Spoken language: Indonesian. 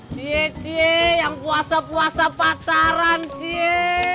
cie cie yang puasa puasa pacaran dia